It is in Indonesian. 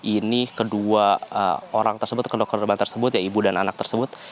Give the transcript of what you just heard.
ini kedua orang tersebut atau kedua korban tersebut ya ibu dan anak tersebut